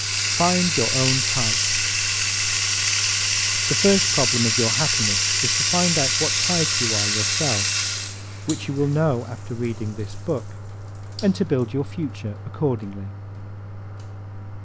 Find Your Own Type ¶ The first problem of your happiness is to find out what type you are yourself which you will know after reading this book and to build your future accordingly.